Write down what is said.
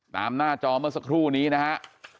หน้าจอเมื่อสักครู่นี้นะฮะ